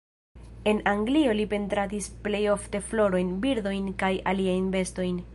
En Anglio li pentradis plej ofte florojn, birdojn kaj aliajn bestojn.